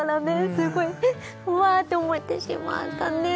すごいえっうわって思えてしまったねえ